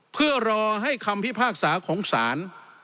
เพื่อรอให้คำพิพากษาของศาล